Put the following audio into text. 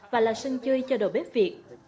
và là sân chơi cho đồ bếp việt